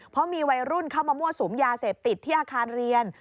เพราะมีวัยรุ่นเข้ามามั่วสุมยาเสพติดที่อาคารเรียน